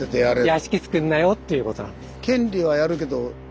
屋敷つくりなよっていうことなんです。